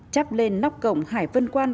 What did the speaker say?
chắp lên nóc cổng hải vân quan